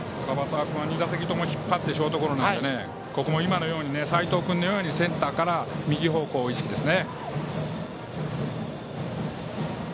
椛澤君は２打席とも引っ張ってショートゴロなので、ここも今の齋藤君のようにセンターから右方向を意識ですね。